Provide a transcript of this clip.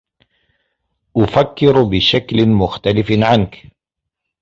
أفكّر بشكل مختلف عنك.